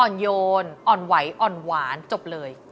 โยนอ่อนไหวอ่อนหวานจบเลย